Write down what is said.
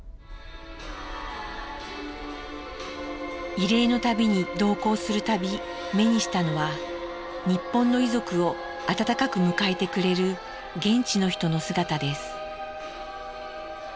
慰霊の旅に同行する度目にしたのは日本の遺族を温かく迎えてくれる現地の人の姿です。